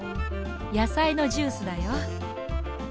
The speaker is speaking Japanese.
やさいのジュースだよ。